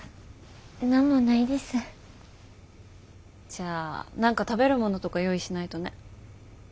じゃあ何か食べるものとか用意しないとね。